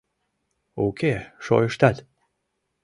Уке, шойыштат!